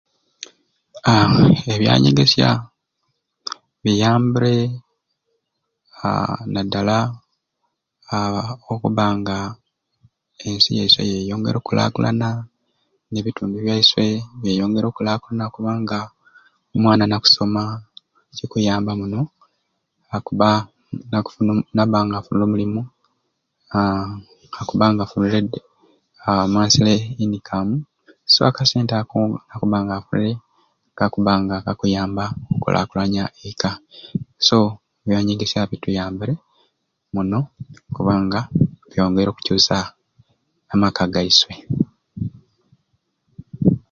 Aa ebyanyegesya biyambire aa naddala aa okubbanga ensi yaiswe yeyongeire okkulaakulana n'ebitundu byaiswe byeyongeire okkulaakulana kubanga omwana na kusoma kikuyamba muno akubba okufuna omuli nabba nga afunire omulimu aa akubba nga afunire edi aa mansire ini kaamu so akasente ako nabba nga akafunire akubba nga akuyambaku okkulaakulanya eka so ebyanyegesya bituyambire muno kubanga byongeire okucuusa amaka gwaiswe